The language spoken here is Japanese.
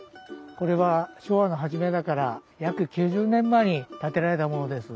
これは昭和の初めだから約９０年前に建てられたものです。